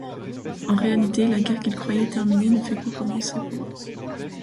En réalité, la guerre qu'ils croyaient terminée ne fait que commencer pour eux.